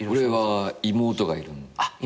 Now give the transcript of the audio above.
俺は妹がいる。